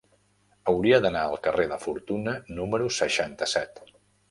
Hauria d'anar al carrer de Fortuna número seixanta-set.